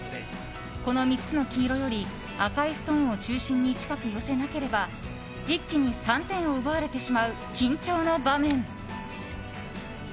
この３つの黄色より赤いストーンを中心に近く寄せなければ一気に３点を奪われてしまう緊張の場面。